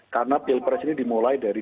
karena pilpres ini dimulai dari